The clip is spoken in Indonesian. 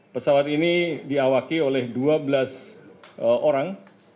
pesawat ini diawaki oleh dua belas orang